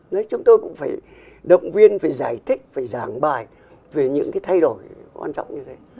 đấy chúng tôi cũng phải động viên phải giải thích phải giảng bài về những cái thay đổi quan trọng như thế